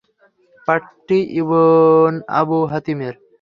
পাঠটি Ibn Abu হাতিমের।